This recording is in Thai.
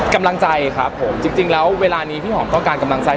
กำลังใจครับผมจริงแล้วเวลานี้พี่หอมต้องการกำลังใจ